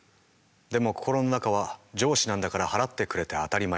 でも心の中は「上司なんだから払ってくれて当たり前」。